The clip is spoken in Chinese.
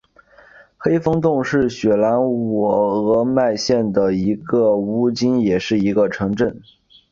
黑风洞是雪兰莪鹅唛县的一个巫金也是一个城镇。